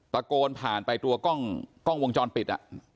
ตะโกนผ่านไปตัวกล้องวงจรปิด